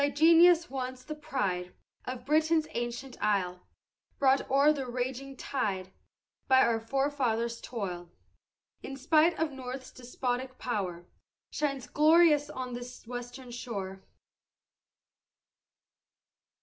Thy genius, once the pride Of Britain's ancient isle, Brought o'er the raging tide By our forefathers' toil; In spite of North's despotic power, Shines glorious on this western shore.